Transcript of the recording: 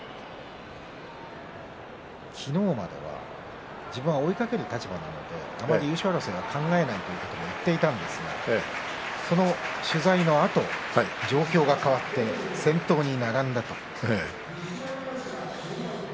昨日までは自分は追いかける立場なのであまり優勝争いは考えないと言っていたんですがこの取材のあと状況が変わって先頭に並んだと。